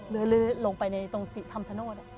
เลื้อยลงไปในตรงสิ่งคำสโนธ